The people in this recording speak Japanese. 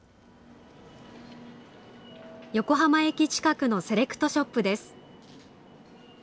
横浜駅近くのセレクトショップです。